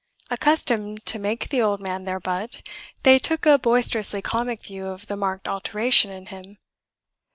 Accustomed to make the old man their butt, they took a boisterously comic view of the marked alteration in him.